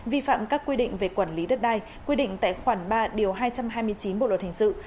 vi phạm các quy định về quản lý đất đai quy định tại khoản ba điều hai trăm hai mươi chín bộ luật hình sự